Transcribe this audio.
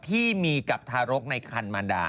ที่มีกับทารกในคันมารดา